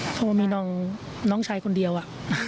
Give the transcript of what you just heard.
เพราะว่ามีน้องชายคนเดียวอะ